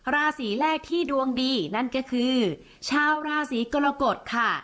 ราศีแรกที่ดวงดีนั่นก็คือชาวราศีกรกฎค่ะ